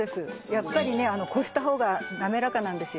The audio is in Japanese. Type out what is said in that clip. やっぱりね濾した方がなめらかなんですよ。